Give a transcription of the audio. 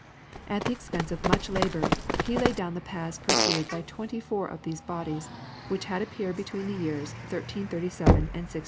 At the expense of much labour, he laid down the paths pursued by twenty four of these bodies, which had appeared between the years 1337 and 1698.